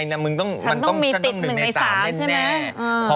ฉันต้องมีติดหนึ่งในสามใช่ไหม